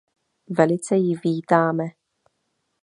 Velice ji vítáme.